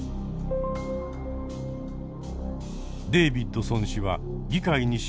デービッドソン氏は議会に資料を示し